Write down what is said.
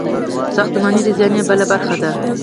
ساختماني ډیزاین بله برخه ده.